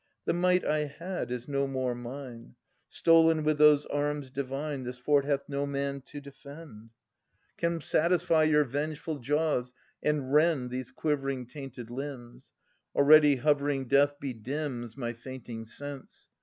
The might I had is no more mine. Stolen with those arms divine. This fort hath no man to defend. X 2 3o8 Philodetes [nss uss Come satisfy your vengeful jaws, and rend These quivering tainted limbs! Already hovering death bedims , My fainting sense.